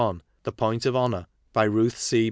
The Point of Honour. By Ruth C.